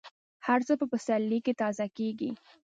هر څه په پسرلي کې تازه کېږي.